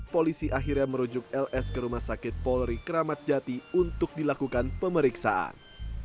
polisi akhirnya merujuk ls ke rumah sakit polri kramat jati untuk dilakukan pemeriksaan